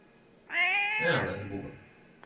Eg har lese boka.